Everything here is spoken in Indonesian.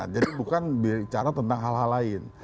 jadi bukan bicara tentang hal hal lain